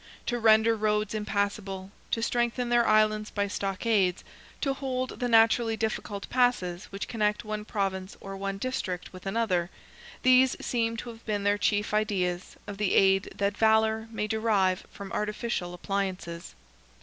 To render roads impassable, to strengthen their islands by stockades, to hold the naturally difficult passes which connect one province or one district with another—these seem to have been their chief ideas of the aid that valour may derive from artificial appliances.